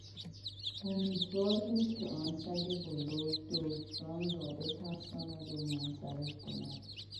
امیدوار بود که آن سگ بزرگ دزدان را بترساند و منصرف کند.